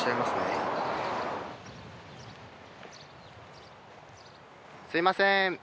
すみません。